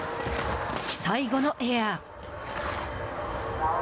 最後のエア。